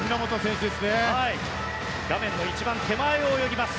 画面の一番手前を泳ぎます